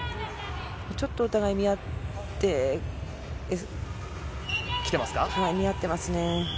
ちょっとお互い見合っていますね。